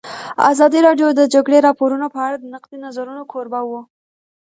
ازادي راډیو د د جګړې راپورونه په اړه د نقدي نظرونو کوربه وه.